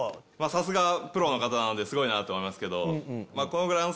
さすがプロの方なんですごいとは思いますけど。